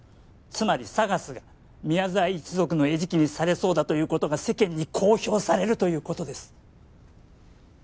つまりＳＡＧＡＳが宮沢一族の餌食にされそうだということが世間に公表されるということです